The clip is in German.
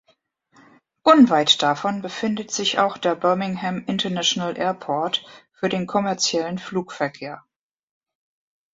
Unweit davon befindet sich auch der Birmingham International Airport für den kommerziellen Flugverkehr.